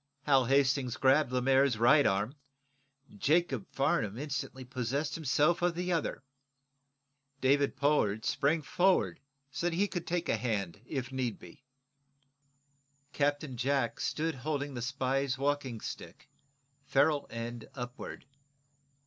Hal Hastings grabbed Lemaire's right arm. Jacob Farnum instantly possessed himself of the other. David Pollard sprang forward so that he could take a hand, if need be. Captain Jack stood holding the spy's walking stick, ferule end upward.